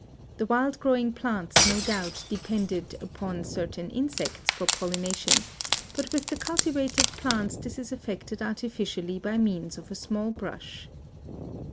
The wild growing plants no doubt depended upon certain insects for pollination, but with the cultivated plants this is effected artificially by means of a small brush.